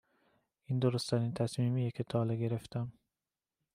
این درست ترین تصمیمیه که تا حالا گرفتم